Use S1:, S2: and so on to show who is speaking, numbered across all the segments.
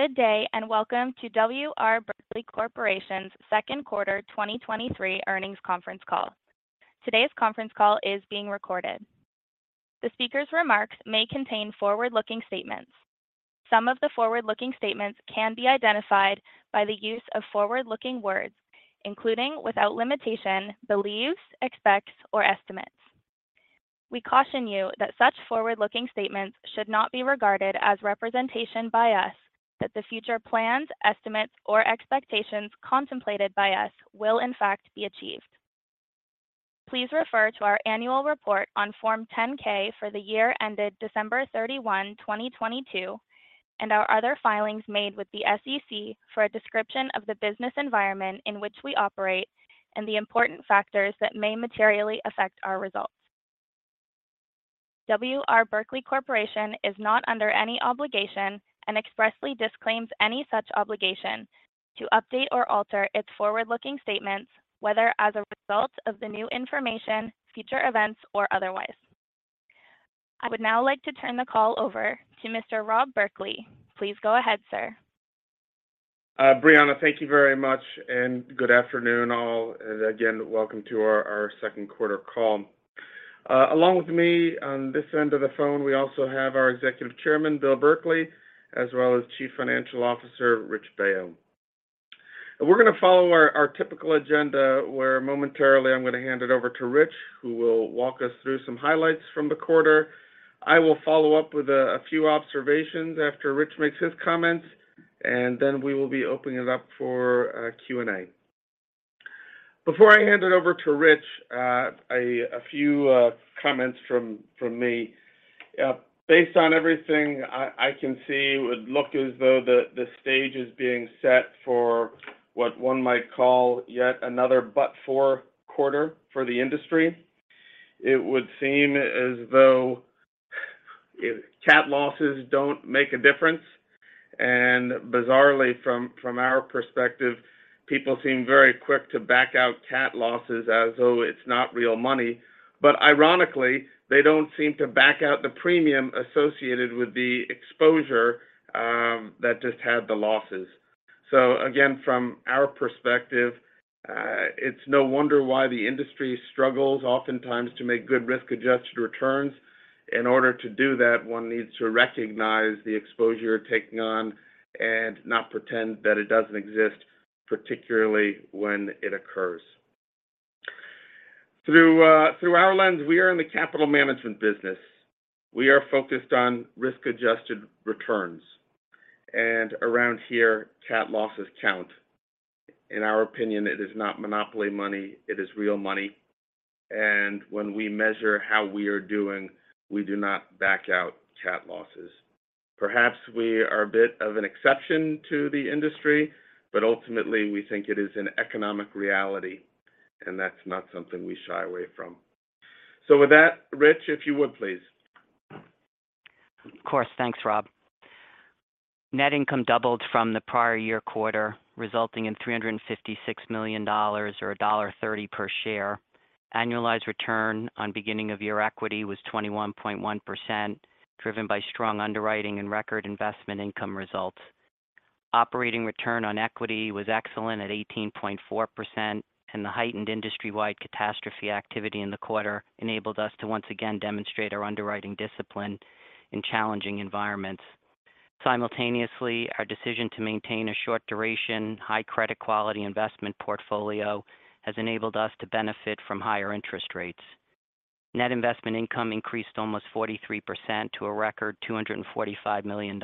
S1: Good day, and welcome to W. R. Berkley Corporation's Q2 2023 earnings conference call. Today's conference call is being recorded.
S2: Breanna, thank you very much, and good afternoon, all. Again, welcome to our Q2 call. Along with me on this end of the phone, we also have our Executive Chairman, William R. Berkley, as well as our Chief Financial Officer, Rich Baio. It would seem as though cat losses do not make a difference. Bizarrely, from our perspective, people seem very quick to back out cat losses as though it is not real money. Ironically, they do not seem to back out the premium associated with the exposure that just had the losses.
S3: Of course. Thanks, Rob. Net income doubled from the prior-year quarter, resulting in $356 million, or $1.30 per share. Annualized return on beginning-of-year equity was 21.1%, driven by strong underwriting and record investment income results. Operating return on equity was excellent at 18.4%. The heightened industry-wide catastrophe activity in the quarter enabled us to once again demonstrate our underwriting discipline in challenging environments. Simultaneously, our decision to maintain a short-duration, high-credit-quality investment portfolio has enabled us to benefit from higher interest rates. Net investment income increased almost 43% to a record $245 million.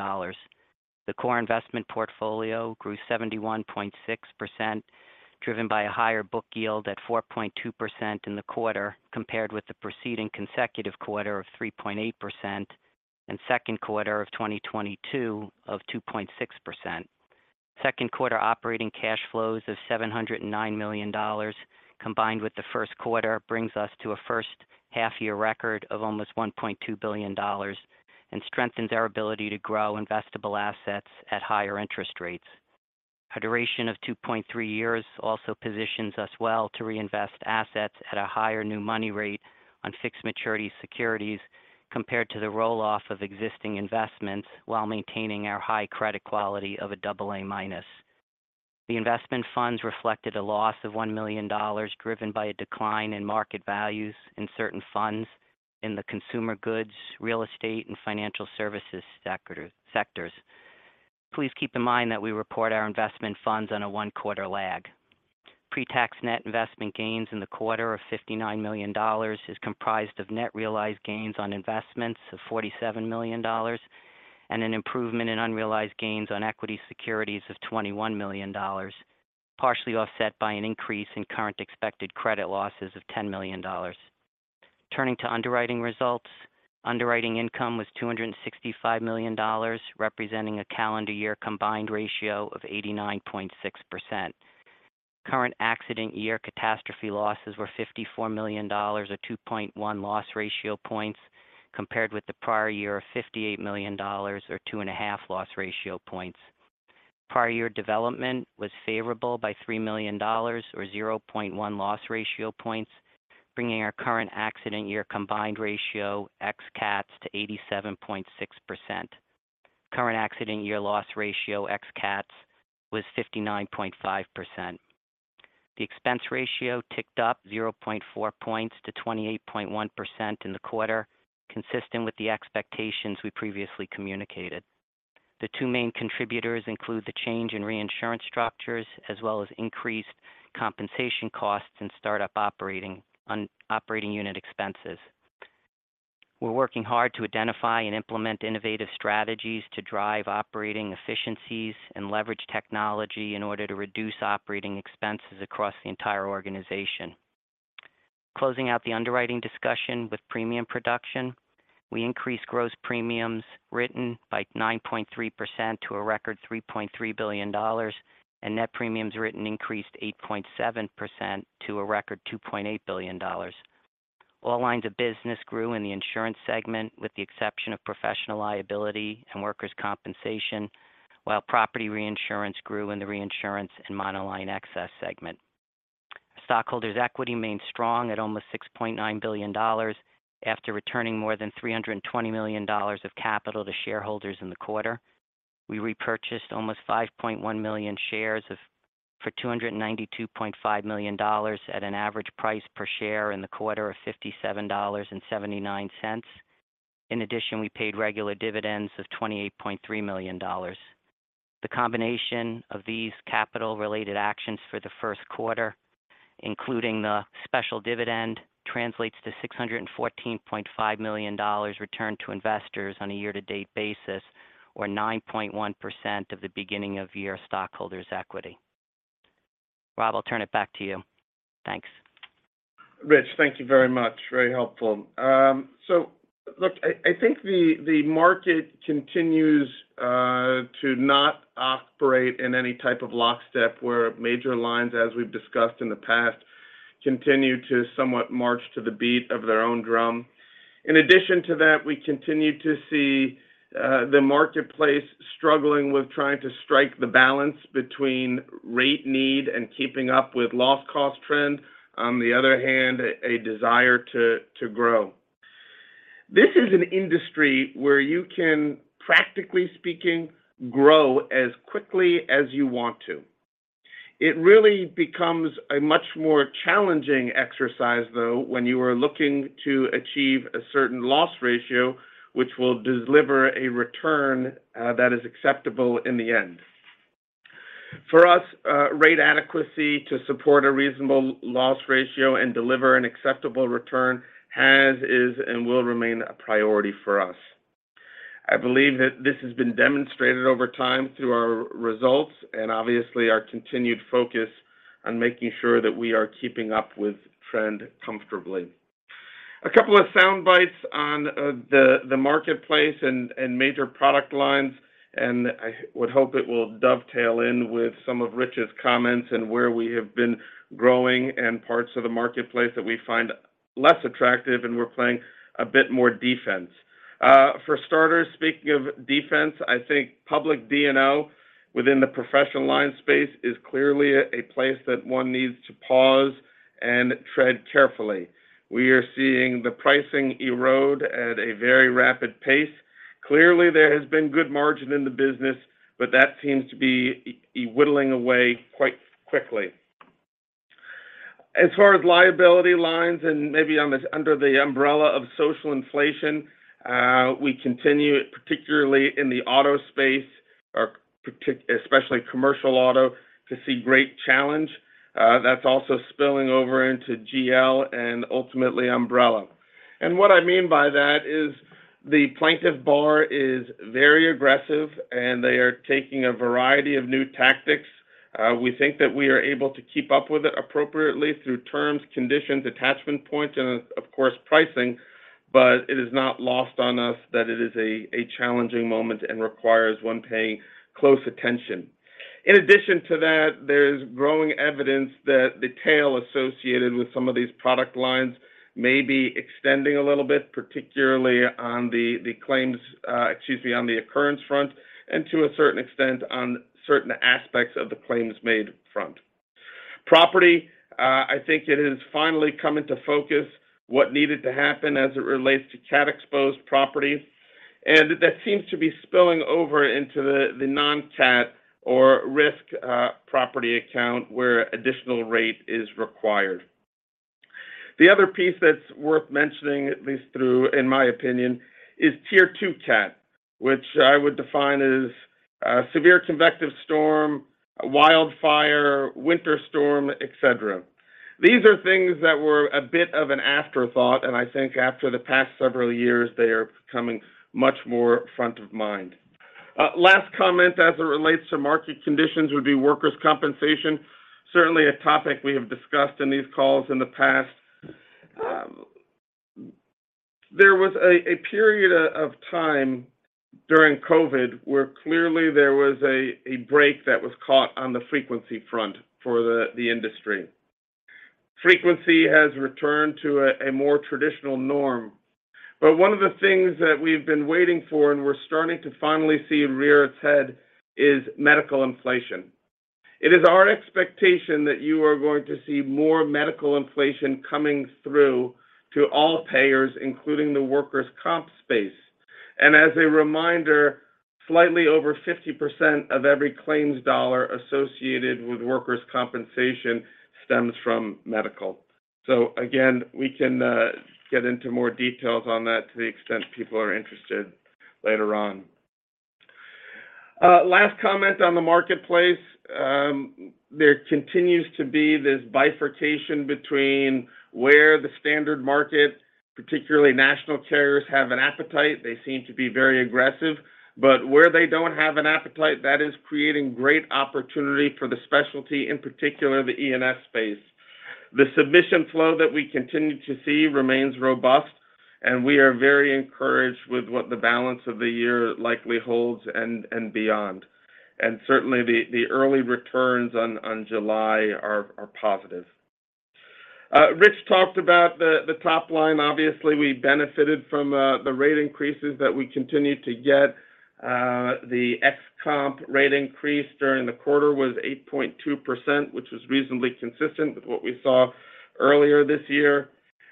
S2: Rich, thank you very much. Very helpful. Look, I think the market continues to not operate in any type of lockstep where major lines, as we have discussed in the past, continue to somewhat march to the beat of their own drum. For us, rate adequacy to support a reasonable loss ratio and deliver an acceptable return has been, is, and will remain a priority. I believe that this has been demonstrated over time through our results and, obviously, our continued focus on making sure that we are keeping up with trend comfortably. Clearly, there has been good margin in the business, but that seems to be whittling away quite quickly. As far as liability lines and perhaps under the umbrella of social inflation, we continue—particularly in the auto space or especially commercial auto—to see great challenge. That is also spilling over into GL and, ultimately, umbrella. In addition to that, there is growing evidence that the tail associated with some of these product lines may be extending a little bit, particularly on the occurrence front and, to a certain extent, on certain aspects of the claims-made front. The last comment as it relates to market conditions would be workers' compensation. This is certainly a topic we have discussed in these calls in the past. There was a period of time during COVID-19 where, clearly, there was a break that was caught on the frequency front for the industry. The last comment on the marketplace is that there continues to be this bifurcation between where the standard market—particularly national carriers—has an appetite. They seem to be very aggressive, but where they do not have an appetite, it is creating a great opportunity for the specialty and, in particular, the E&S space.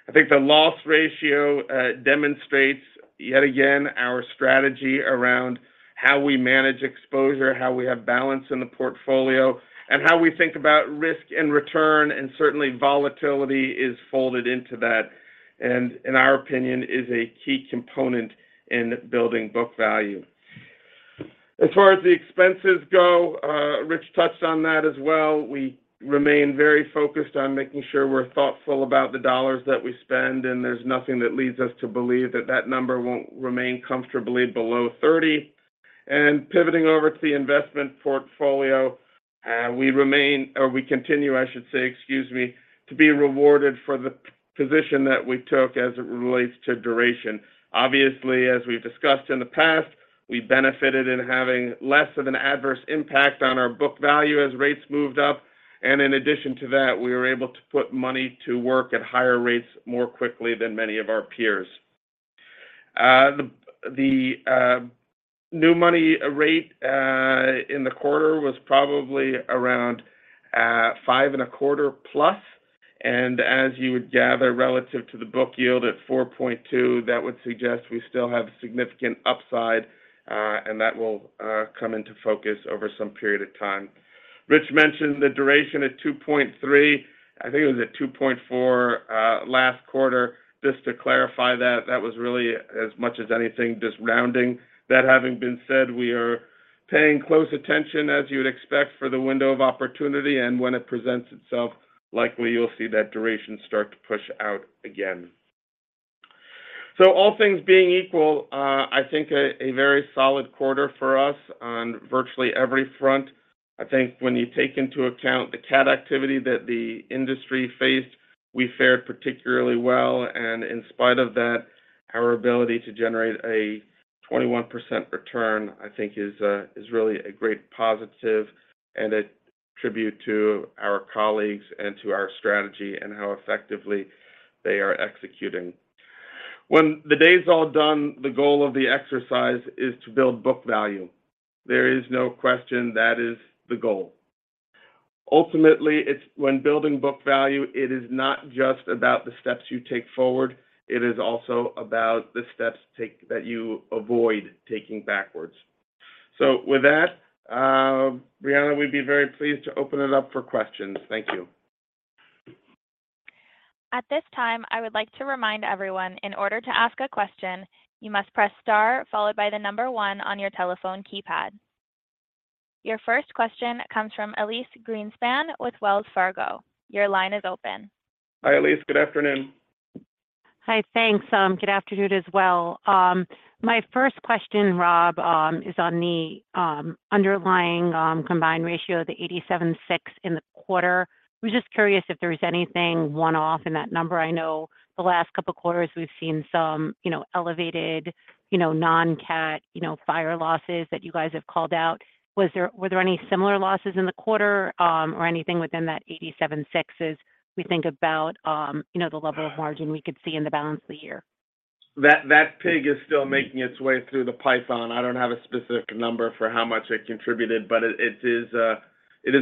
S2: I think the loss ratio demonstrates, yet again, our strategy around how we manage exposure, how we have balance in the portfolio, and how we think about risk and return. Certainly, volatility is folded into that and, in our opinion, is a key component in building book value. Obviously, as we have discussed in the past, we benefited from having less of an adverse impact on our book value as rates moved up. In addition to that, we were able to put money to work at higher rates more quickly than many of our peers. That having been said, we are paying close attention, as you would expect, for the window of opportunity. When it presents itself, likely you will see that duration start to push out again. All things being equal, I think it was a very solid quarter for us on virtually every front. Ultimately, when building book value, it is not just about the steps you take forward; it is also about the steps that you avoid taking backwards. With that, Breanna, we would be very pleased to open it up for questions. Thank you.
S1: At this time, I would like to remind everyone that in order to ask a question, you must press * followed by the number 1 on your telephone keypad. Your first question comes from Elyse Greenspan with Wells Fargo. Your line is open.
S2: Hi, Elyse. Good afternoon.
S4: Hi, thanks. Good afternoon as well. My first question, Rob, is on the underlying combined ratio—the 87.6% in the quarter. I was just curious if there was anything one-off in that number.
S2: That pig is still making its way through the python. I do not have a specific number for how much it contributed, but it is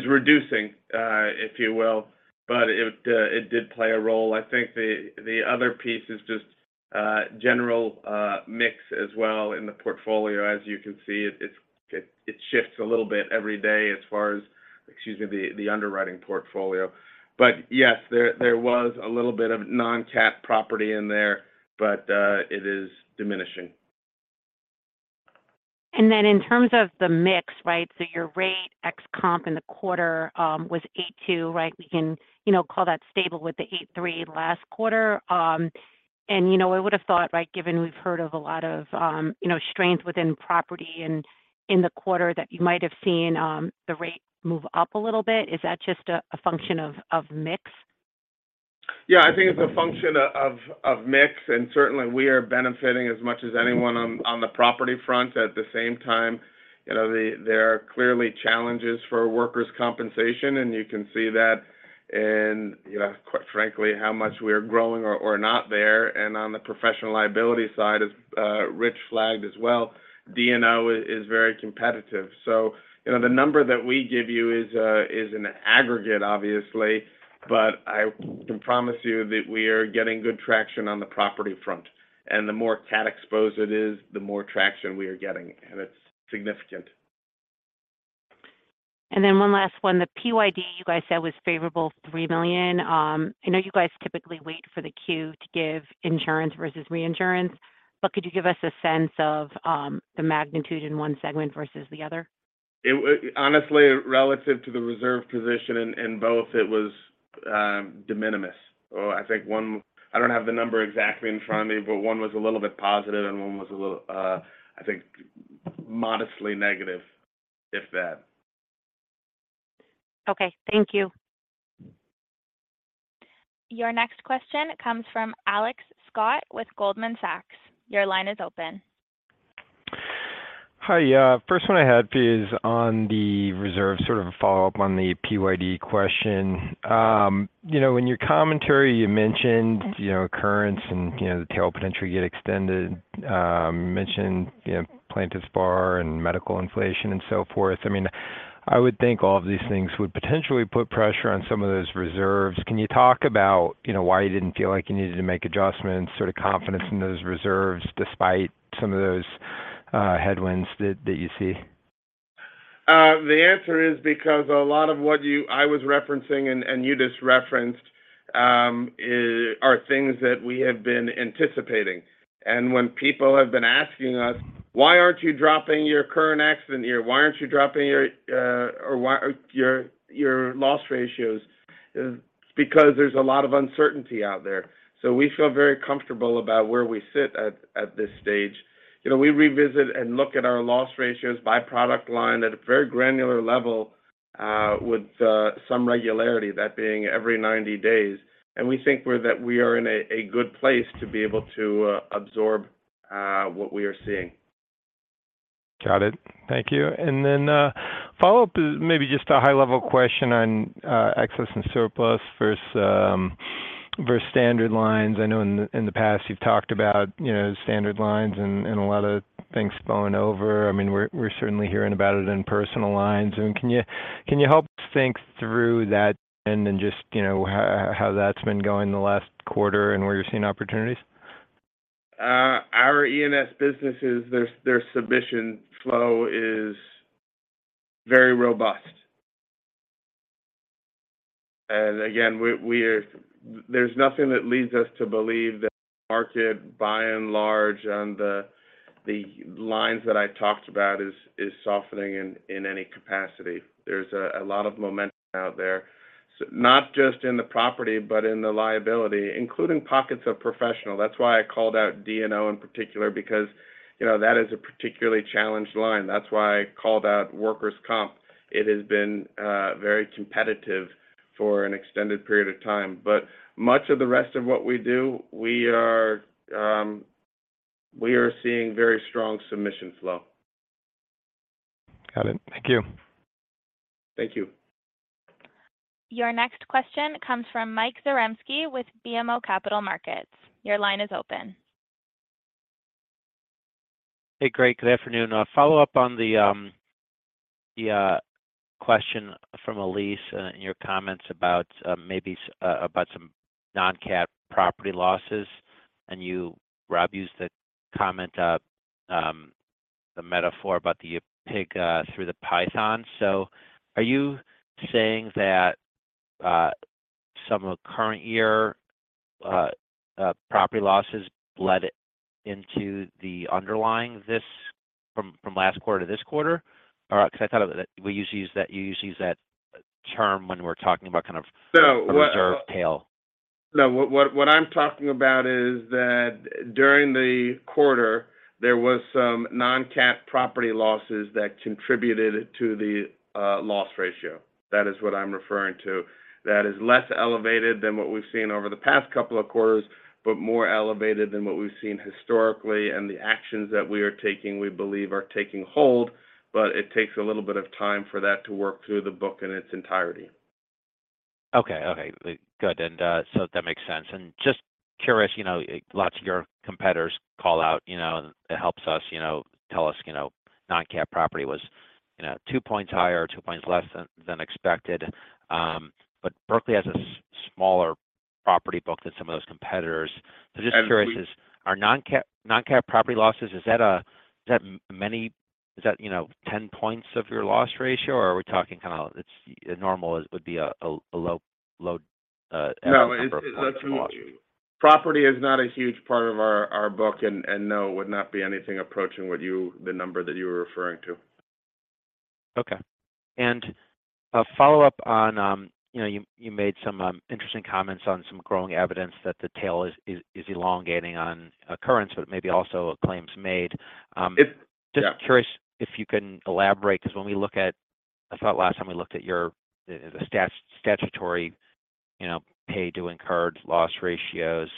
S2: reducing—if you will—but it did play a role. I think the other piece is just general mix as well in the portfolio.
S4: In terms of the mix, your rate ex-comp in the quarter was 8.2%. We can call that stable with the 8.3% in Q1.
S2: Yeah, I think it is a function of mix, and certainly, we are benefiting as much as anyone on the property front. At the same time, there are clearly challenges for workers' compensation, and you can see that in how much we are growing—or not growing—there.
S4: One last one. The PYD you guys said was favorable—$3 million. I know you guys typically wait for the 10-Q to give insurance versus reinsurance, but could you give us a sense of the magnitude in one segment versus the other?
S2: Honestly, relative to the reserve position in both, it was de minimis. I think one, I don't have the number exactly in front of me, but one was a little bit positive, and one was a little, I think modestly negative, if that.
S4: Okay. Thank you.
S1: Your next question comes from Alex Scott with Goldman Sachs. Your line is open.
S5: Hi, first one I had is on the reserve—sort of a follow-up on the PYD question. In your commentary, you mentioned occurrence and the tail potentially getting extended; you mentioned the plaintiff bar, medical inflation, and so forth.
S2: The answer is because a lot of what I was referencing and you just referenced are things that we have been anticipating. When people have been asking us: Why aren't you dropping your current accident year? Why aren't you dropping your loss ratios? It's because there's a lot of uncertainty out there. We feel very comfortable about where we sit at this stage. You know, we revisit and look at our loss ratios by product line at a very granular level, with some regularity, that being every 90 days. We think that we are in a good place to be able to absorb what we are seeing.
S5: Got it. Thank you. My follow-up is perhaps just a high-level question on excess and surplus versus standard lines. I know in the past you have talked about standard lines and a lot of things flowing over.
S2: Our E&S businesses, their submission flow is very robust. Again, there's nothing that leads us to believe that the market, by and large, on the lines that I talked about, is softening in any capacity. There's a lot of momentum out there, not just in the property, but in the liability, including pockets of Professional. That's why I called out D&O in particular, because, you know, that is a particularly challenged line. That's why I called out workers' comp. It has been very competitive for an extended period of time. Much of the rest of what we do, we are seeing very strong submission flow.
S5: Got it. Thank you.
S2: Thank you.
S1: Your next question comes from Mike Zaremski with BMO Capital Markets. Your line is open.
S6: Hey, Greg, good afternoon. A follow-up on the question from Elyse and your comments about some non-cat property losses. Rob used the metaphor about the pig through the python.
S2: No, what I am talking about is that during the quarter, there were some non-cat property losses that contributed to the loss ratio. That is what I am referring to. That is less elevated than what we have seen over the past couple of quarters, but more elevated than what we have seen historically.
S6: Okay. Good, that makes sense. I am just curious; many of your competitors call out specific details—they tell us that non-cat property was two points higher or two points less than expected. Berkley has a smaller property book than some of those competitors. I am just curious; are non-cat property losses ten points of your loss ratio, or are we talking about a low number of points of loss as a norm?
S2: No, Property is not a huge part of our book, and no, it would not be anything approaching the number that you were referring to.
S6: Okay. A follow-up on your interesting comments regarding growing evidence that the tail is elongating on occurrence, but maybe also on claims-made. I am curious if you can elaborate, because when we look at your statutory data—the paid-to-incurred loss ratios—we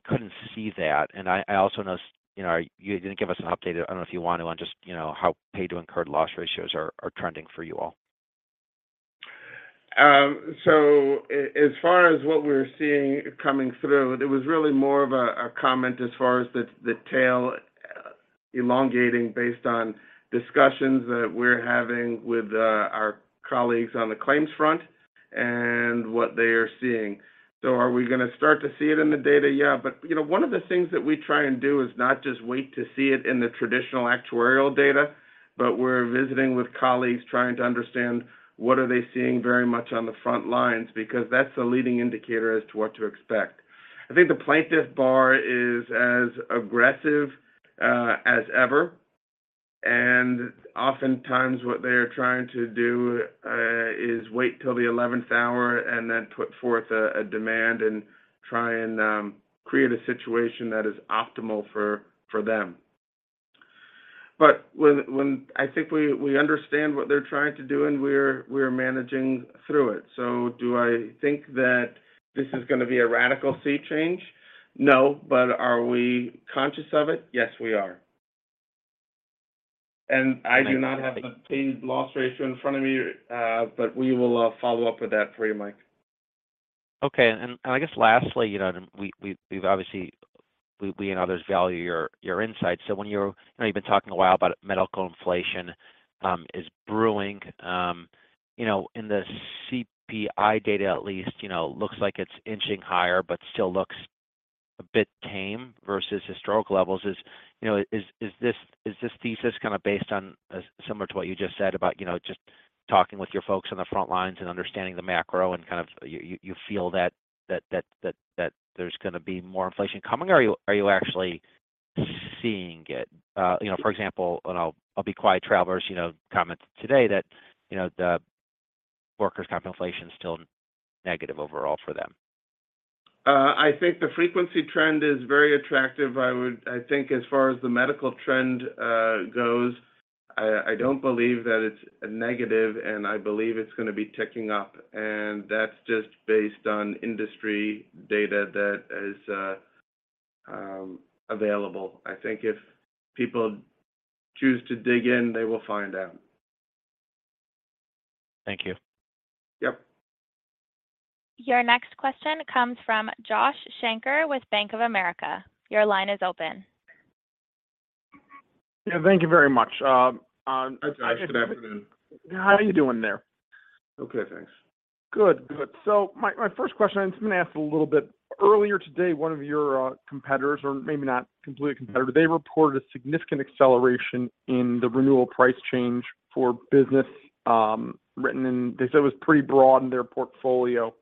S6: could not see that trend. I also noticed you did not give us an update. I do not know if you want to, but how are paid-to-incurred loss ratios trending for the company?
S2: As far as what we are seeing coming through, it was really more of a comment regarding the tail elongating based on discussions that we are having with our colleagues on the claims front and what they are seeing. I think the plaintiff bar is as aggressive as ever. Oftentimes, what they are trying to do is wait until the 11th hour and then put forth a demand to try and create a situation that is optimal for them.
S6: Okay. I guess lastly, obviously, we and others value your insights. You have been talking for a while about how medical inflation is brewing. In the CPI data, at least, it looks like it is inching higher, but it still looks a bit tame versus historical levels.
S2: I think the frequency trend is very attractive. I think as far as the medical trend goes, I do not believe that it is a negative, and I believe it is going to be ticking up. That is just based on industry data that is available. I think if people choose to dig in, they will find out.
S6: Thank you.
S2: Yep.
S1: Your next question comes from Josh Shanker with Bank of America. Your line is open.
S7: Yeah, thank you very much.
S2: Hi, Josh. Good afternoon.
S7: How are you doing there?
S2: Okay, thanks.
S7: Good. My first question, I am just going to ask a little bit. Earlier today, one of your competitors—or maybe not completely a competitor—reported a significant acceleration in the renewal price change for business written. They said it was pretty broad in their portfolio.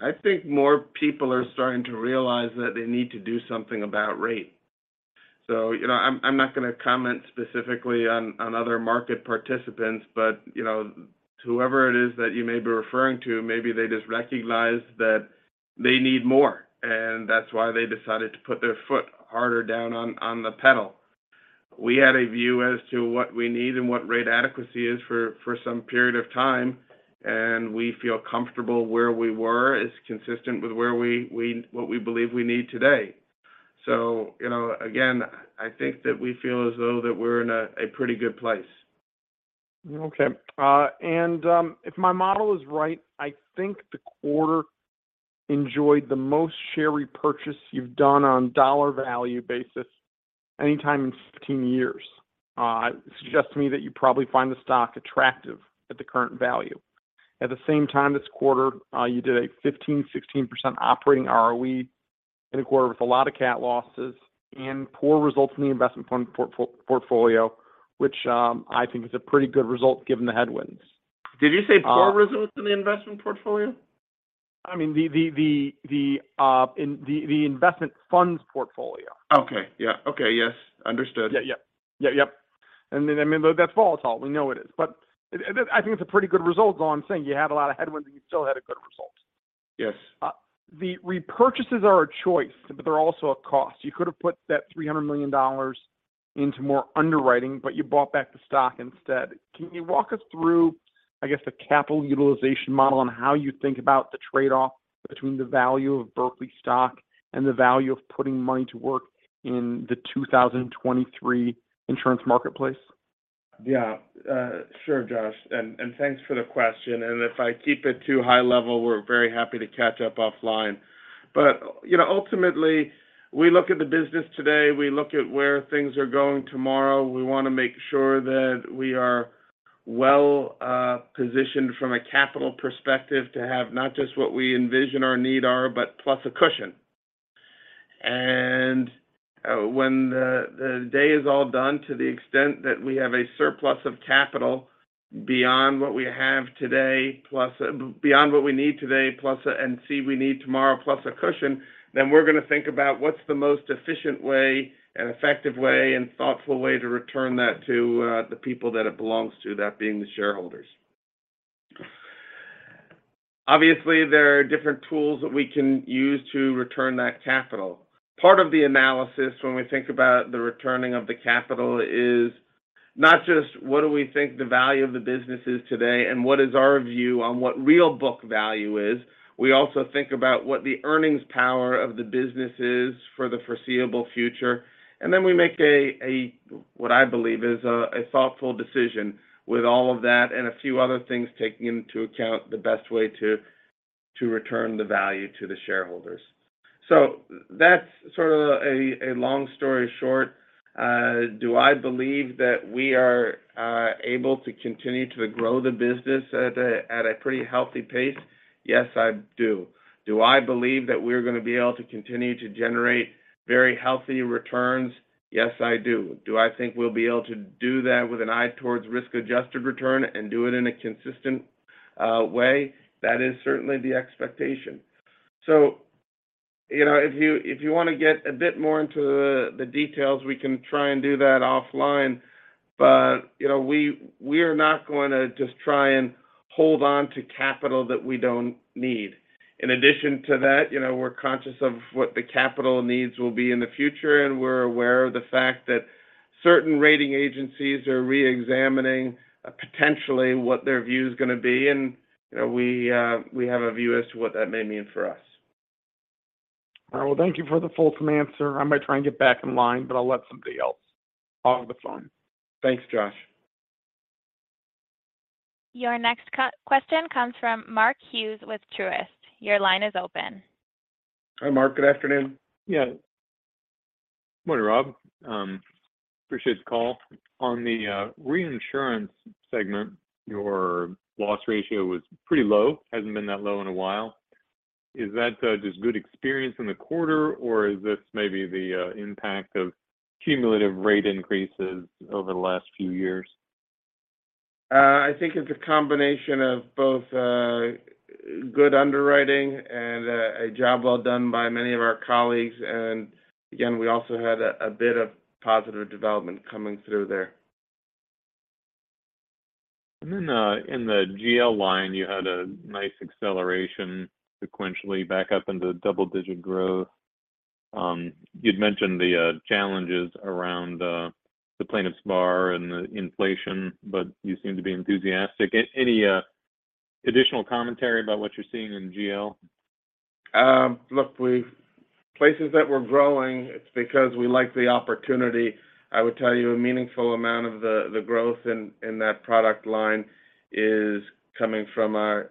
S2: I think more people are starting to realize that they need to do something about rate. You know, I'm not gonna comment specifically on other market participants, but, you know, whoever it is that you may be referring to, maybe they just recognize that they need more, and that's why they decided to put their foot harder down on the pedal. We had a view as to what we need and what rate adequacy is for some period of time, and we feel comfortable where we were is consistent with where we, what we believe we need today. You know, again, I think that we feel as though that we're in a pretty good place.
S7: Okay. If my model is right, I think the quarter enjoyed the most share repurchases you have done on a dollar-value basis at any time in 15 years. It suggests to me that you probably find the stock attractive at the current value.
S2: Did you say poor results?
S7: Uh
S2: in the investment portfolio?
S7: I mean, the investment funds portfolio.
S2: Okay. Yeah. Okay, yes, understood.
S7: Yeah, yeah. Yeah, yep, I mean, that's volatile. We know it is, but it, I think it's a pretty good result. All I'm saying, you had a lot of headwinds, and you still had a good result.
S2: Yes.
S7: The repurchases are a choice, but they're also a cost. You could have put that $300 million into more underwriting, but you bought back the stock instead. Can you walk us through, I guess, the capital utilization model and how you think about the trade-off between the value of Berkley stock and the value of putting money to work in the 2023 insurance marketplace?
S2: Yeah, sure, Josh, and thanks for the question, and if I keep it too high level, we're very happy to catch up offline. You know, ultimately, we look at the business today, we look at where things are going tomorrow. We want to make sure that we are well positioned from a capital perspective to have not just what we envision our need are, but plus a cushion. When the day is all done, to the extent that we have a surplus of capital beyond what we have today, plus, beyond what we need today, plus, and see we need tomorrow, plus a cushion, then we're going to think about what's the most efficient way and effective way and thoughtful way to return that to, the people that it belongs to, that being the shareholders. Obviously, there are different tools that we can use to return that capital. Part of the analysis when we think about the returning of the capital is not just what do we think the value of the business is today, and what is our view on what real book value is? We also think about what the earnings power of the business is for the foreseeable future, and then we make a what I believe is a thoughtful decision with all of that and a few other things, taking into account the best way to return the value to the shareholders. That's sort of a long story short. Do I believe that we are able to continue to grow the business at a pretty healthy pace? Yes, I do. Do I believe that we're going to be able to continue to generate very healthy returns? Yes, I do. Do I think we'll be able to do that with an eye towards risk-adjusted return and do it in a consistent way? That is certainly the expectation. You know, if you, if you want to get a bit more into the details, we can try and do that offline. You know, we are not going to just try and hold on to capital that we don't need. In addition to that, you know, we're conscious of what the capital needs will be in the future, and we're aware of the fact that certain rating agencies are reexamining potentially what their view is going to be, and, you know, we have a view as to what that may mean for us.
S7: Well, thank you for the fulsome answer. I might try and get back in line. I'll let somebody else on the phone.
S2: Thanks, Josh.
S1: Your next question comes from Mark Hughes with Truist. Your line is open.
S2: Hi, Mark. Good afternoon.
S8: Yeah. Morning, Rob. Appreciate the call. On the reinsurance segment, your loss ratio was pretty low. Hasn't been that low in a while. Is that just good experience in the quarter, or is this maybe the impact of cumulative rate increases over the last few years?
S2: I think it's a combination of both, good underwriting and a job well done by many of our colleagues. Again, we also had a bit of positive development coming through there.
S8: Then, in the GL line, you had a nice acceleration sequentially back up into double-digit growth. You'd mentioned the challenges around the plaintiffs' bar and the inflation, but you seem to be enthusiastic. Any additional commentary about what you're seeing in GL?
S2: Look, places that we're growing, it's because we like the opportunity. I would tell you a meaningful amount of the growth in that product line is coming from our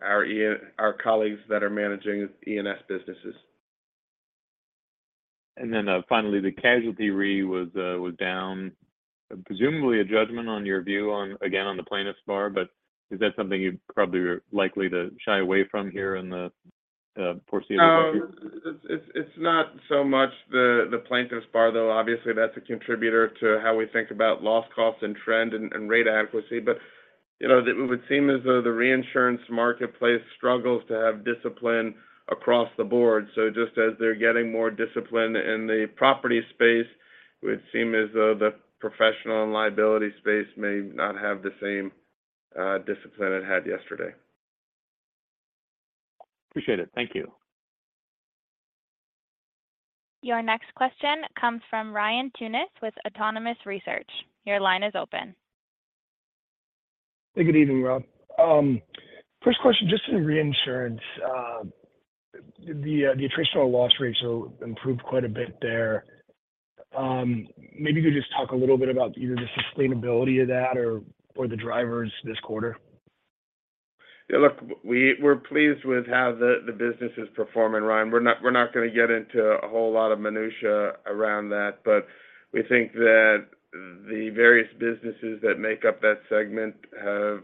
S2: colleagues that are managing E&S businesses.
S8: Finally, the casualty re was down, presumably a judgment on your view on, again, on the plaintiffs' bar, but is that something you'd probably are likely to shy away from here in the foreseeable future?
S2: No, it's not so much the plaintiffs' bar, though, obviously, that's a contributor to how we think about loss costs and trend and rate adequacy. You know, it would seem as though the reinsurance marketplace struggles to have discipline across the board. Just as they're getting more discipline in the property space, it would seem as though the professional and liability space may not have the same discipline it had yesterday.
S8: Appreciate it. Thank you.
S1: Your next question comes from Ryan Tunis with Autonomous Research. Your line is open.
S9: Hey, good evening, Rob. First question, just in reinsurance, the attritional loss ratio improved quite a bit there. Maybe you could just talk a little bit about either the sustainability of that or the drivers this quarter.
S2: Yeah, look, we're pleased with how the business is performing, Ryan. We're not going to get into a whole lot of minutiae around that, but we think that the various businesses that make up that segment have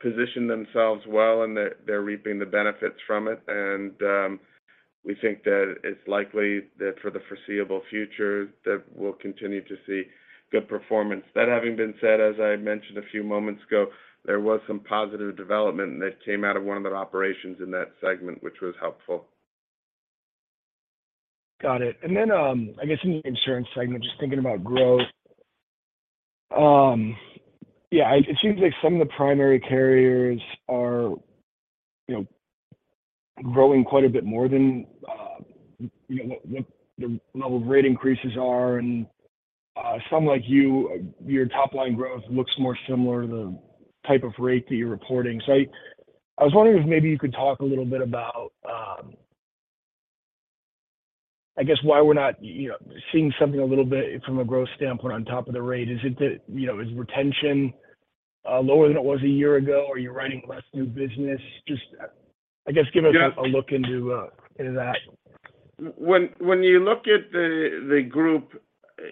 S2: positioned themselves well, and they're reaping the benefits from it. We think that it's likely that for the foreseeable future, that we'll continue to see good performance. That having been said, as I mentioned a few moments ago, there was some positive development, and that came out of one of the operations in that segment, which was helpful.
S9: Got it. Then, I guess in the insurance segment, just thinking about growth. It seems like some of the primary carriers are, you know, growing quite a bit more than, you know, what the level of rate increases are, and some like you, your top-line growth looks more similar to the type of rate that you're reporting. I was wondering if maybe you could talk a little bit about, I guess, why we're not, you know, seeing something a little bit from a growth standpoint on top of the rate. Is it that, you know, is retention, lower than it was a year ago, or are you writing less new business? Just, I guess, give us.
S2: Yeah
S9: We will take a look into that.
S2: When you look at the group,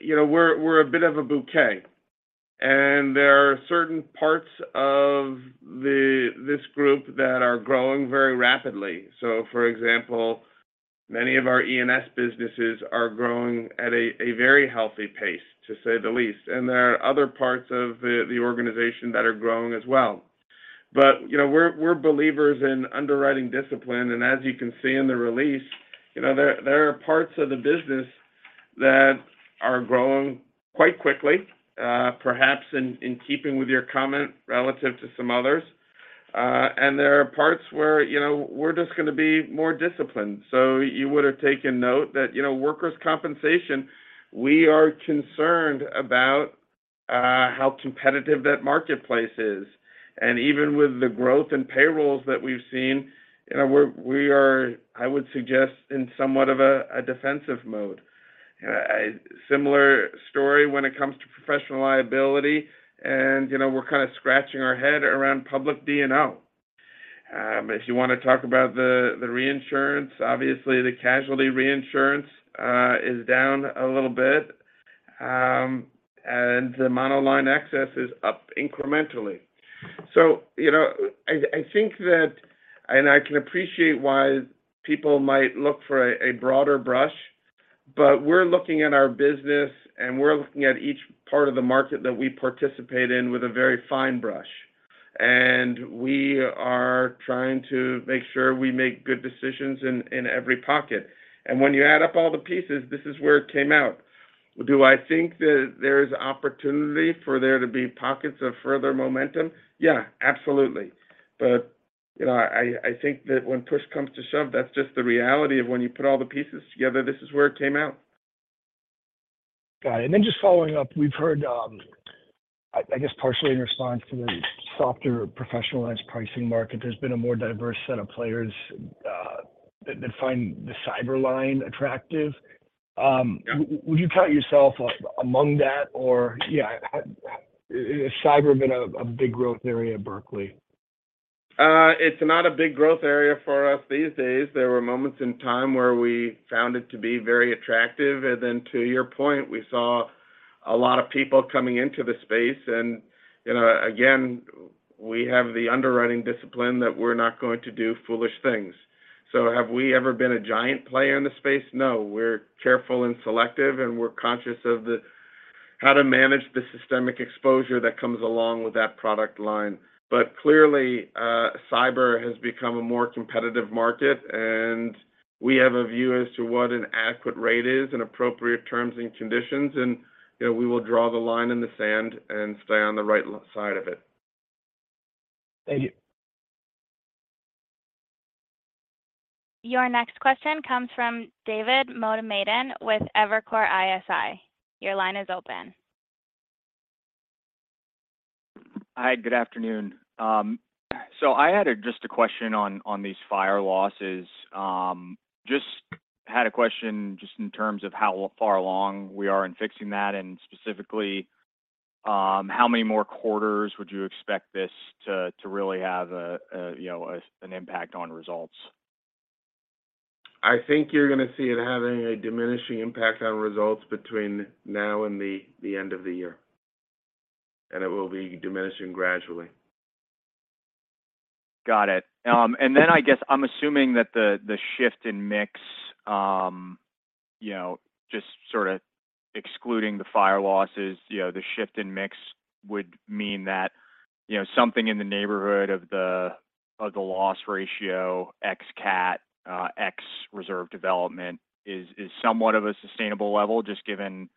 S2: we are a bit of a bouquet. There are certain parts of this group that are growing very rapidly. For example, many of our E&S businesses are growing at a very healthy pace, to say the least. There are other parts of the organization that are growing as well. Even with the growth in payrolls that we have seen, I would suggest we are in somewhat of a defensive mode. A similar story exists when it comes to professional liability, and we are scratching our heads regarding public D&O. If you want to talk about reinsurance, obviously, the casualty reinsurance is down a little bit, and the monoline excess is up incrementally. Do I think that there is opportunity for there to be pockets of further momentum? Yeah, absolutely. You know, I think that when push comes to shove, that's just the reality of when you put all the pieces together, this is where it came out.
S9: Got it. Just following up, we've heard, I guess, partially in response to the softer professionalized pricing market, there's been a more diverse set of players that find the cyber line attractive.
S2: Yeah.
S9: Would you count yourself among that? Or has cyber been a big growth area at Berkley?
S2: It is not a big growth area for us these days. There were moments in time where we found it to be very attractive. To your point, we saw a lot of people coming into the space. Again, we have the underwriting discipline to ensure that we are not going to do foolish things.
S9: Thank you.
S1: Your next question comes from David Motemaden with Evercore ISI. Your line is open.
S10: Hi, good afternoon. I had just a question on these fire losses. just had a question, just in terms of how far along we are in fixing that, and specifically, how many more quarters would you expect this to really have a, you know, an impact on results?
S2: I think you're going to see it having a diminishing impact on results between now and the end of the year, and it will be diminishing gradually.
S10: Got it. I guess I'm assuming that the shift in mix, you know, just sort of excluding the fire losses, you know, the shift in mix would mean that, you know, something in the neighborhood of the, of the loss ratio, ex cat, ex reserve development is somewhat of a sustainable level, just given,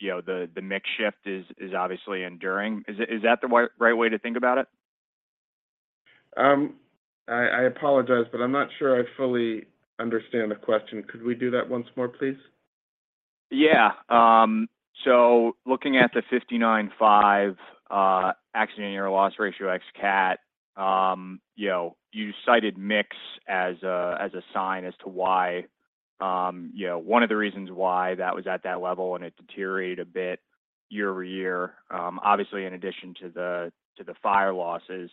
S10: you know, the mix shift is obviously enduring. Is that the right way to think about it?
S2: I apologize, but I'm not sure I fully understand the question. Could we do that once more, please?
S10: Yeah. Looking at the 59.5 accident year loss ratio, ex cat, you know, you cited mix as a sign as to why, you know, one of the reasons why that was at that level and it deteriorated a bit year-over-year, obviously, in addition to the fire losses.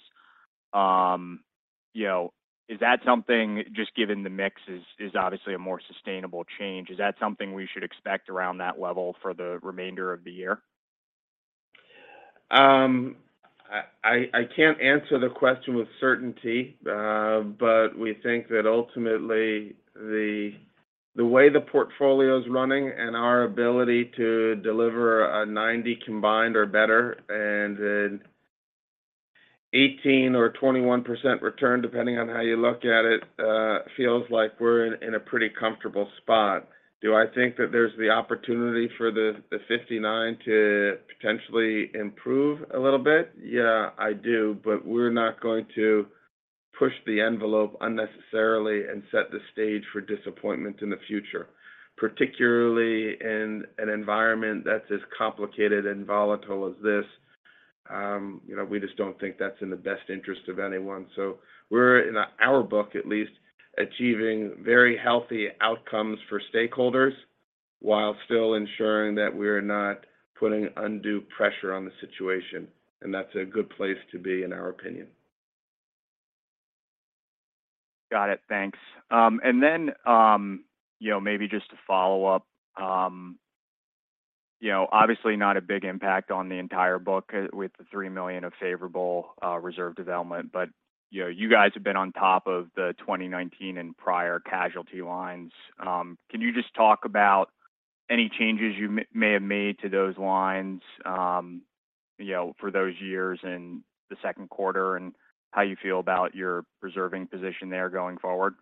S10: You know, is that something, just given the mix is obviously a more sustainable change, is that something we should expect around that level for the remainder of the year?
S2: I can't answer the question with certainty, but we think that ultimately, the way the portfolio is running and our ability to deliver a 90 combined or better, and an 18% or 21% return, depending on how you look at it, feels like we're in a pretty comfortable spot. Do I think that there's the opportunity for the 59 to potentially improve a little bit? Yeah, I do, but we're not going to push the envelope unnecessarily and set the stage for disappointment in the future, particularly in an environment that's as complicated and volatile as this. You know, we just don't think that's in the best interest of anyone. We're, in our book at least, achieving very healthy outcomes for stakeholders while still ensuring that we're not putting undue pressure on the situation, and that's a good place to be, in our opinion.
S10: Got it. Thanks. You know, maybe just to follow up, you know, obviously not a big impact on the entire book, with the $3 million of favorable reserve development. You know, you guys have been on top of the 2019 and prior casualty lines. Can you just talk about any changes you may have made to those lines, you know, for those years in the second quarter, and how you feel about your reserving position there going forward?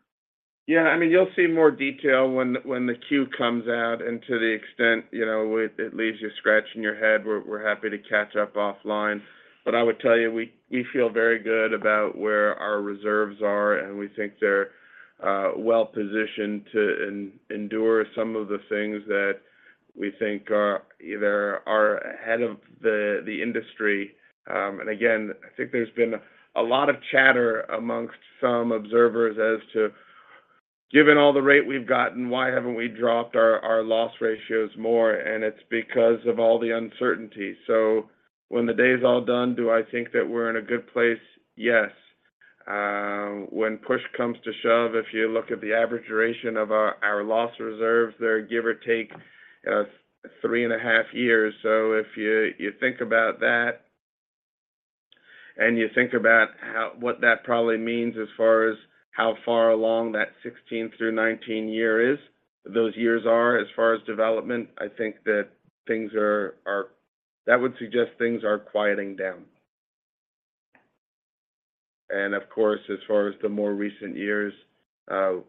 S2: You will see more detail when the 10-Q comes out. To the extent it leaves you scratching your head, we are happy to catch up offline. I would tell you, we feel very good about where our reserves are, and we think they are well-positioned to endure some of the things that we think are ahead of the industry. When push comes to shove, if you look at the average duration of our loss reserves, they're give or take three and a half years. If you think about that, and you think about what that probably means as far as how far along that 16th through 19th year is, those years are as far as development, I think that things are. That would suggest things are quieting down. Of course, as far as the more recent years,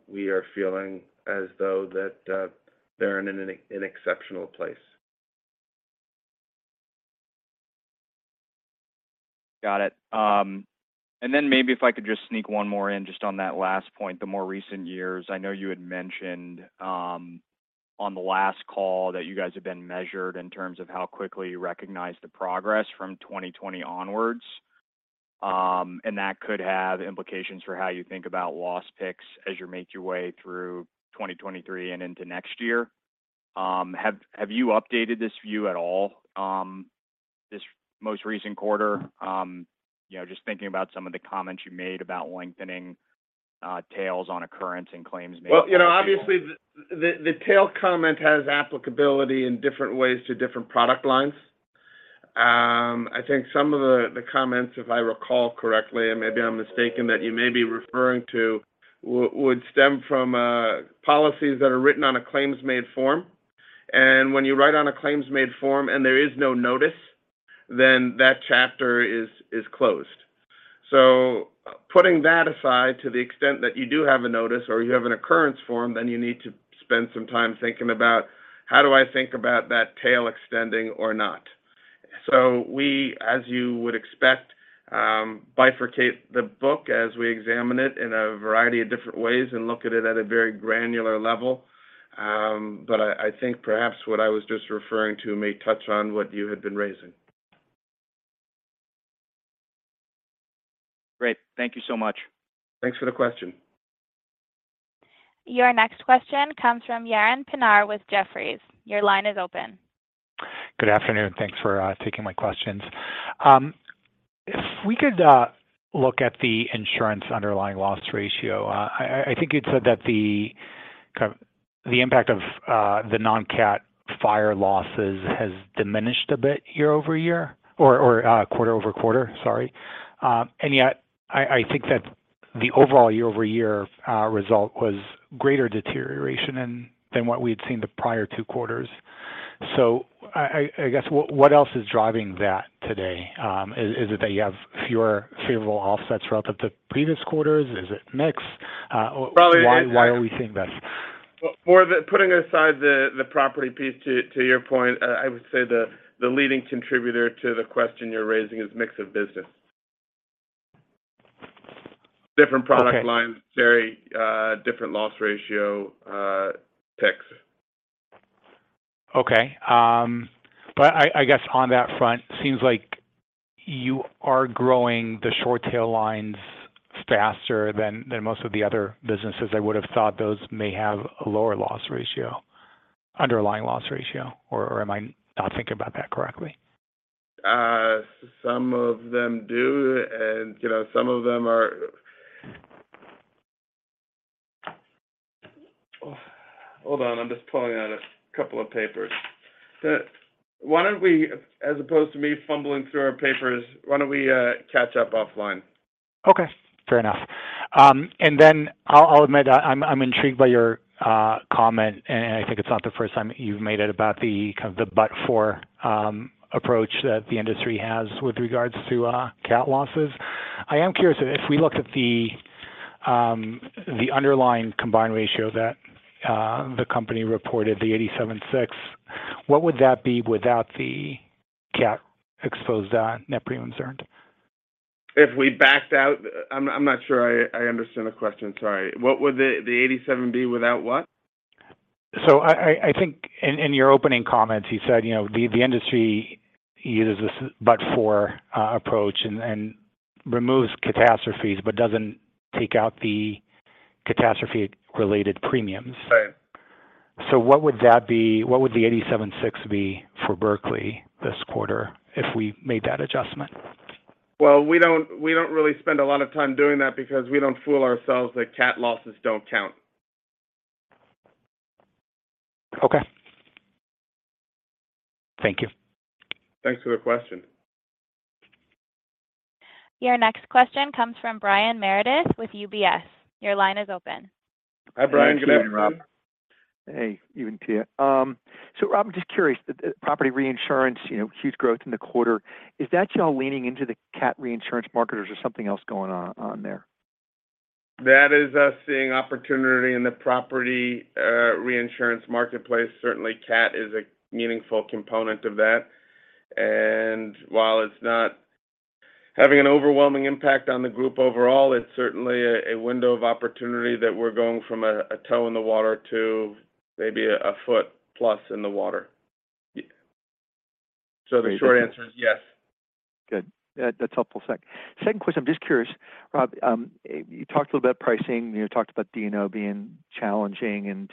S2: we are feeling as though that they're in an exceptional place.
S10: Got it. Maybe if I could just sneak one more in, just on that last point regarding the more recent years. I know you had mentioned on the Q1 call that you have been measured in terms of how quickly you recognize the progress from 2020 onwards.
S2: The tail comment has applicability in different ways to different product lines. I think some of the comments that you may be referring to would stem from policies that are written on a claims-made form. When you write on a claims-made form and there is no notice, then that chapter is closed.
S10: Great. Thank you so much.
S2: Thanks for the question.
S1: Your next question comes from Yaron Kinar with Jefferies. Your line is open.
S11: Good afternoon. Thank you for taking my questions. If we could look at the insurance underlying loss ratio, I think you had said that the impact of the non-catastrophe fire losses has diminished a bit quarter-over-quarter.
S2: Well, putting aside the property piece to your point, I would say the leading contributor to the question you are raising is mix of business.
S11: Okay.
S2: Different product lines, very, different loss ratio, ticks.
S11: Okay. On that front, it seems like you are growing the short-tail lines faster than most of the other businesses. I would have thought those might have a lower underlying loss ratio, or am I not thinking about that correctly?
S2: Some of them do, you know, some of them are. Hold on, I'm just pulling out a couple of papers. Why don't we, as opposed to me fumbling through our papers, why don't we catch up offline?
S11: Okay, fair enough. I will admit, I am intrigued by your comment—and I think it is not the first time that you have made it—about the "but-for" approach that the industry has with regard to catastrophe losses.
S2: If we backed out... I'm not sure I understand the question, sorry. What would the 87 be without what?
S11: I think in your opening comments, you said, you know, the industry uses this but for approach and removes catastrophes, but doesn't take out the catastrophe-related premiums.
S2: Right.
S11: What would the 87.6 be for Berkley this quarter if we made that adjustment?
S2: Well, we don't really spend a lot of time doing that because we don't fool ourselves that cat losses don't count.
S12: Okay. Thank you.
S2: Thanks for the question.
S1: Your next question comes from Brian Meredith with UBS. Your line is open.
S2: Hi, Brian. Good afternoon, Rob.
S12: Hey, you and Tia. Rob, just curious, the property reinsurance, you know, huge growth in the quarter, is that y'all leaning into the cat reinsurance market, or is there something else going on there?
S2: That is us seeing opportunity in the property, reinsurance marketplace. Certainly, cat is a meaningful component of that, while it's not having an overwhelming impact on the group overall, it's certainly a window of opportunity that we're going from a toe in the water to maybe a foot plus in the water. Yeah. The short answer is yes.
S12: Good. That's helpful. Second question, I'm just curious, Rob, you talked a little about pricing. You know, talked about D&O being challenging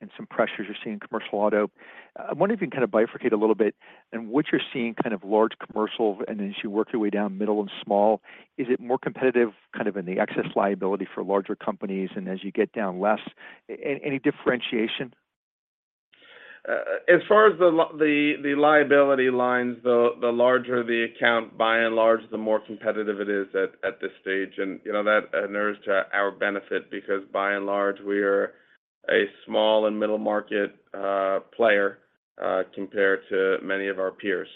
S12: and some pressures you're seeing in commercial auto. I wonder if you can kind of bifurcate a little bit in what you're seeing, kind of, large commercial, and as you work your way down middle and small, is it more competitive, kind of, in the excess liability for larger companies, and as you get down less, any differentiation?
S2: As far as the liability lines, the larger the account, by and large, the more competitive it is at this stage. You know, that favors to our benefit, because by and large, we are a small and middle market player compared to many of our peers.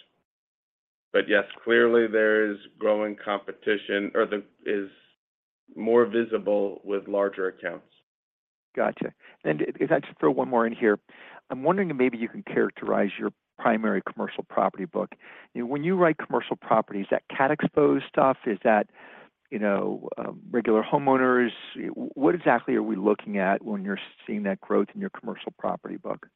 S2: Yes, clearly there is growing competition or it's more visible with larger accounts.
S12: Gotcha. If I just throw one more in here, I'm wondering if maybe you can characterize your primary commercial property book. You know, when you write commercial property, is that cat-exposed stuff? Is that, you know, regular homeowners? What exactly are we looking at when you're seeing that growth in your commercial property book?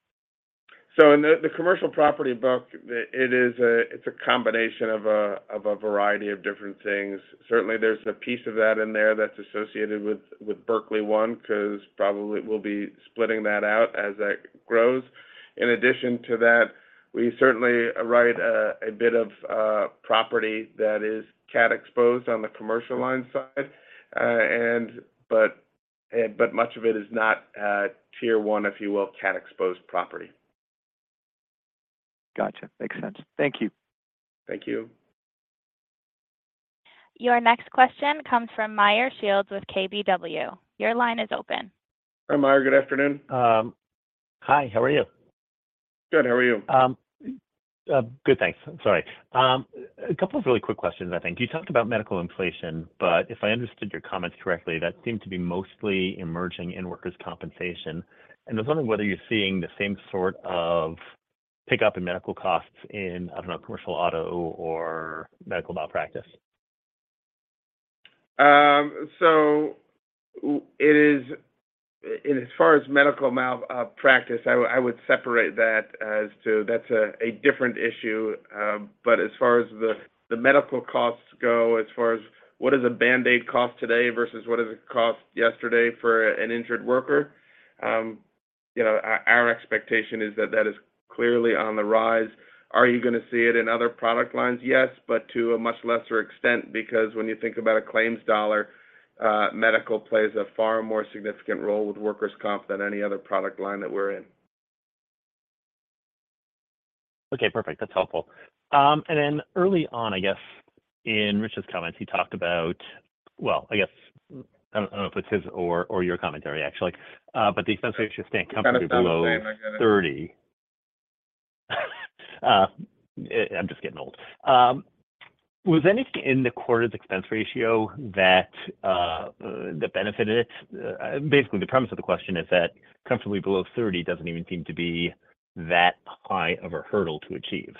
S2: In the commercial property book, it's a combination of a variety of different things. Certainly, there's a piece of that in there that's associated with Berkley One, 'cause probably we'll be splitting that out as that grows. In addition to that, we certainly write a bit of property that is cat-exposed on the commercial line side, and but much of it is not Tier 1, if you will, cat-exposed property.
S12: Gotcha. Makes sense. Thank you.
S2: Thank you.
S1: Your next question comes from Meyer Shields with KBW. Your line is open.
S2: Hi, Meyer, good afternoon.
S13: Hi, how are you?
S2: Good. How are you?
S13: Good, thanks. Sorry. A couple of really quick questions, I think. You talked about medical inflation, but if I understood your comments correctly, that seemed to be mostly emerging in workers' compensation. I was wondering whether you're seeing the same sort of pickup in medical costs in, I don't know, commercial auto or medical malpractice?
S2: It is. As far as medical malpractice, I would separate that as a different issue. As far as medical costs go—regarding what a bandage costs today versus what it cost yesterday for an injured worker—our expectation is that is clearly on the rise.
S13: Okay, perfect. That is helpful. Then early on, I think in Rich’s comments—I do not know if it is his or your commentary, actually—but the expense ratio staying comfortably...
S2: Kinda sound the same, I get it.
S13: ...below 30. I am just getting old. Was there anything in the quarter's expense ratio that benefited it? Basically, the premise of the question is that "comfortably below 30" does not even seem to be that high of a hurdle to achieve.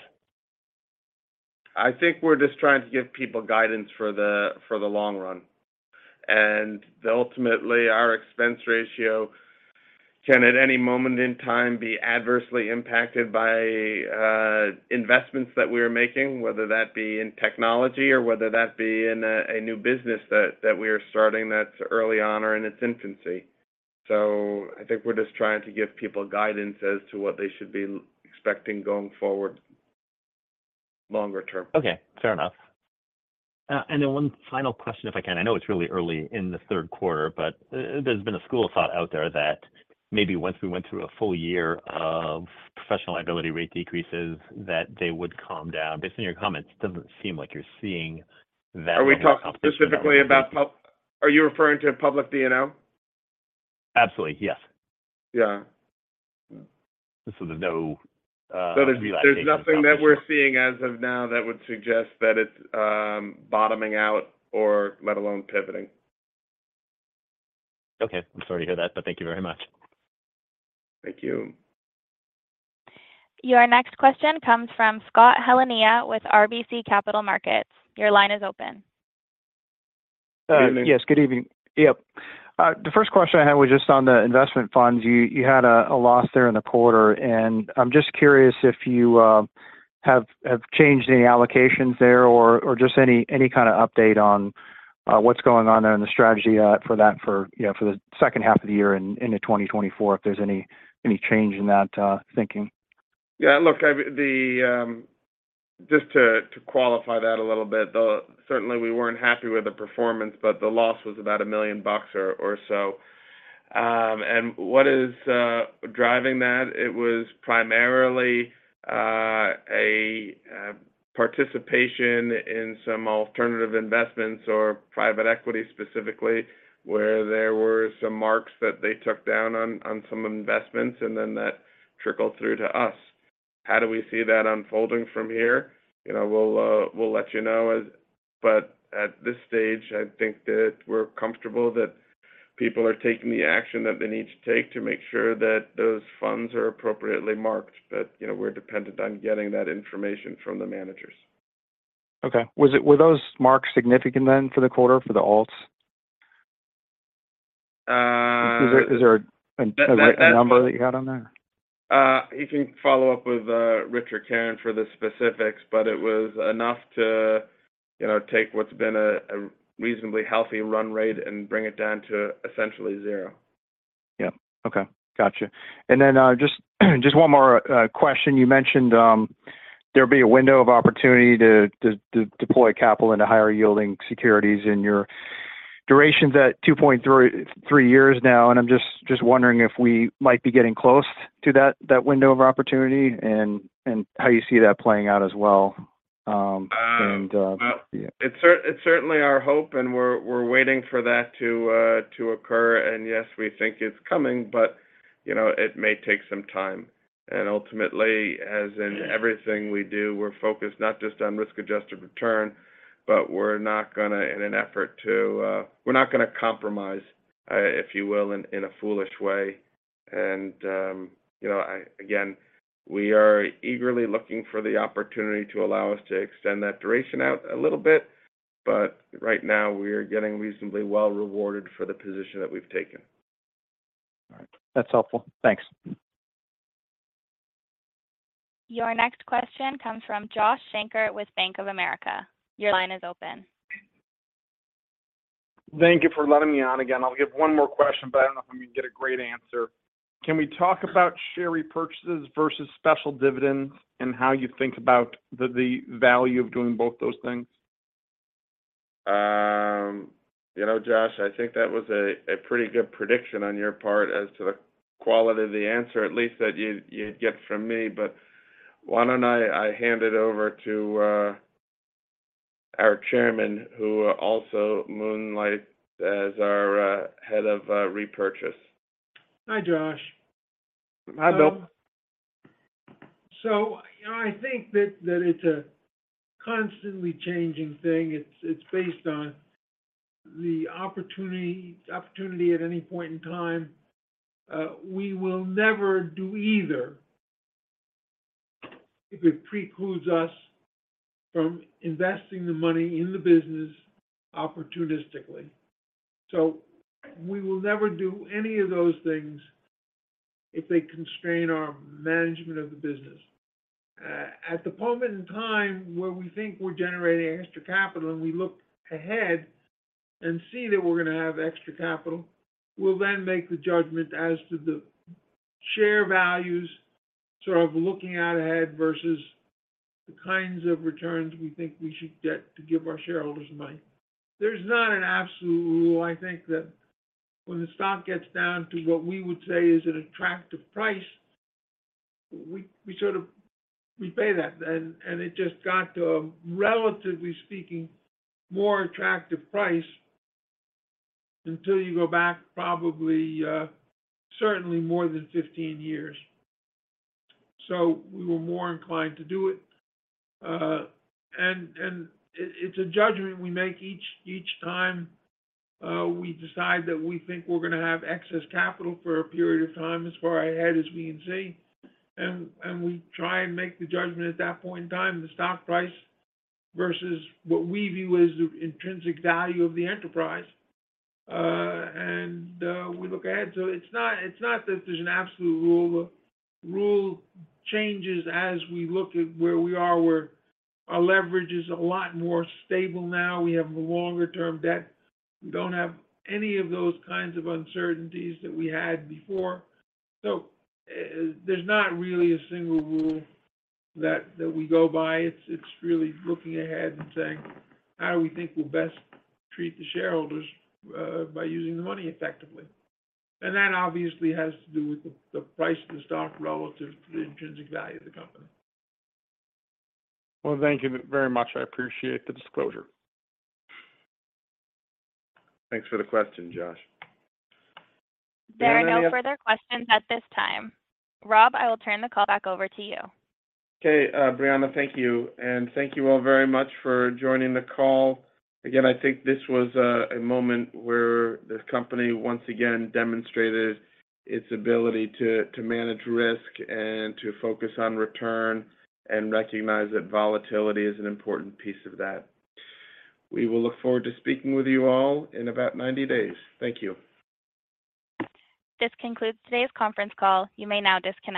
S2: I think we're just trying to give people guidance for the long run. Ultimately, our expense ratio can, at any moment in time, be adversely impacted by investments that we are making, whether that be in technology or whether that be in a new business that we are starting that's early on or in its infancy. I think we're just trying to give people guidance as to what they should be expecting going forward, longer term.
S13: One final question, if I can. I know it is really early in Q3, but there has been a school of thought out there that maybe once we went through a full year of professional liability rate decreases, they would calm down. Based on your comments, it does not seem like you are seeing that.
S2: Are you referring to public D&O?
S13: Absolutely, yes.
S2: There's nothing that we're seeing as of now that would suggest that it's, bottoming out or let alone pivoting.
S13: Okay, I'm sorry to hear that, but thank you very much.
S2: Thank you.
S1: Your next question comes from Scott Heleniak with RBC Capital Markets. Your line is open.
S2: Good evening.
S14: Yes, good evening. The first question I had was regarding the investment funds. You had a loss there in the quarter, and I am curious if you have changed any allocations or have any update on the strategy for the second half of the year into 2024, and if there is any change in that thinking.
S2: Just to qualify that a little bit, certainly we were not happy with the performance. The loss was about $1 million or so. What is driving that? It was primarily a participation in some alternative investments or private equity, specifically, where there were some marks that they took down on some investments. That then trickled through to us.
S14: Were those marks significant then for the quarter, for the alts? Is there a number that you had on there?
S2: You can follow up with Karen Horvath for the specifics, but it was enough to, you know, take what's been a reasonably healthy run rate and bring it down to essentially zero.
S14: Yeah. Okay, gotcha. Just one more question. You mentioned, there would be a window of opportunity to deploy capital into higher-yielding securities, and your duration's at 2.33 years now, and I'm just wondering if we might be getting close to that window of opportunity and how you see that playing out as well, and yeah.
S2: Well, it's certainly our hope, and we're waiting for that to occur. Yes, we think it's coming, but, you know, it may take some time. Ultimately, as in everything we do, we're focused not just on risk-adjusted return, but we're not gonna, in an effort to, We're not gonna compromise, if you will, in a foolish way. You know, again, we are eagerly looking for the opportunity to allow us to extend that duration out a little bit, but right now, we are getting reasonably well rewarded for the position that we've taken.
S14: All right. That's helpful. Thanks.
S1: Your next question comes from Josh Shanker with Bank of America. Your line is open.
S7: Thank you for letting me on again. I'll give one more question, but I don't know if I'm going to get a great answer. Can we talk about share repurchases versus special dividends and how you think about the value of doing both those things?
S2: You know, Josh, I think that was a pretty good prediction on your part as to the quality of the answer, at least that you'd get from me. Why don't I hand it over to our Chairman, who also moonlights as our head of repurchase?
S15: Hi, Josh.
S7: Hi, Bill.
S15: I think that it's a constantly changing thing. It's based on the opportunity at any point in time. We will never do either if it precludes us from investing the money in the business opportunistically. We will never do any of those things if they constrain our management of the business. At the moment in time where we think we're generating extra capital, and we look ahead and see that we're going to have extra capital, we'll then make the judgment as to the share values, sort of looking out ahead versus the kinds of returns we think we should get to give our shareholders money. There's not an absolute rule. I think that when the stock gets down to what we would say is an attractive price, we sort of pay that. It just got to a, relatively speaking, more attractive price until you go back probably, certainly more than 15 years. We were more inclined to do it. It's a judgment we make each time we decide that we think we're gonna have excess capital for a period of time as far ahead as we can see. We try and make the judgment at that point in time, the stock price versus what we view as the intrinsic value of the enterprise. We look ahead. It's not that there's an absolute rule. The rule changes as we look at where we are, where our leverage is a lot more stable now. We have the longer-term debt. We don't have any of those kinds of uncertainties that we had before. There is not really a single rule that we go by. It is really looking ahead and saying, "How do we think we will best treat the shareholders by using the money effectively?" That obviously has to do with the price of the stock relative to the intrinsic value of the company.
S7: Well, thank you very much. I appreciate the disclosure.
S2: Thanks for the question, Josh.
S1: There are no further questions at this time. Rob, I will turn the call back over to you.
S2: Okay, Breanna, thank you. Thank you all very much for joining the call. Again, I think this was a moment where the company, once again, demonstrated its ability to manage risk and to focus on return and recognize that volatility is an important piece of that. We will look forward to speaking with you all in about 90 days. Thank you.
S1: This concludes today's conference call. You may now disconnect.